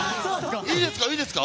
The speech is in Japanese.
いいですか？